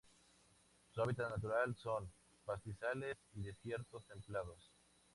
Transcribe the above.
Su hábitat natural son: pastizales y desiertos templados.